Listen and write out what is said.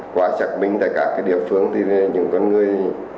qua xác minh tại các địa phương thì những con người